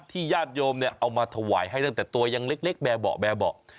ที่ญาติโยมเนี่ยเอามาถวายให้ตั้งแต่ตัวยังเล็กแบบเหาะ